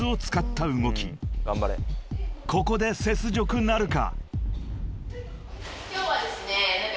［ここで雪辱なるか］